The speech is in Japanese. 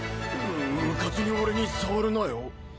ううかつに俺に触るなよ